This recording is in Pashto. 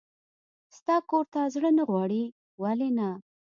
ستا کور ته زړه نه غواړي؟ ولې نه.